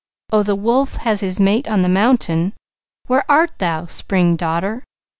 Oh, the wolf has his mate on the mountain Where art thou, Spring daughter?